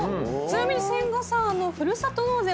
ちなみに千賀さんふるさと納税